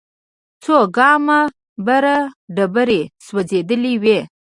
څو ګامه بره ډبرې سوځېدلې وې.